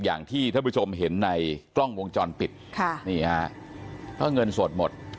อย่างที่ท่านผู้ชมเห็นในกล้องวงจรปิดค่ะนี่ฮะก็เงินสดหมด